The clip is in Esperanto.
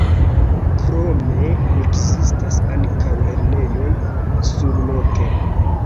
Krome ekzistas ankaŭ lernejoj surloke.